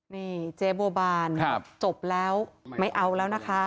นี่เจ๊บัวบานจบแล้วไม่เอาแล้วนะคะ